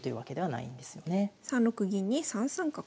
３六銀に３三角。